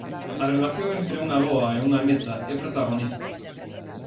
A relación entre unha avoa e unha neta é protagonista.